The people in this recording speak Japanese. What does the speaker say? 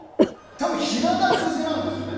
多分、ひな壇癖なんですよね。